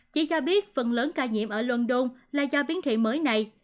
chỉ cho biết phần lớn ca nhiễm ở london là do biến thị mới này